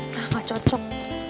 nah gak cocok